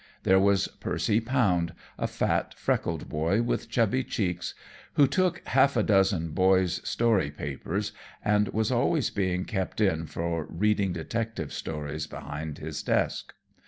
There was Percy Pound, a fat, freckled boy with chubby cheeks, who took half a dozen boys' story papers and was always being kept in for reading detective stories behind his desk.